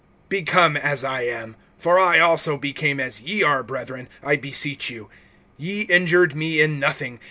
(12)Become as I am, for I also became as ye are, brethren, I beseech you. Ye injured me in nothing.